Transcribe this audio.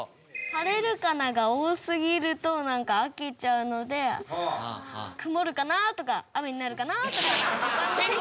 「晴れるかな」が多すぎるとなんか飽きちゃうので「曇るかな」とか「雨になるかな」とかって他の。